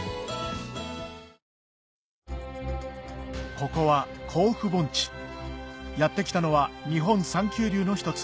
ここは甲府盆地やって来たのは日本三急流の一つ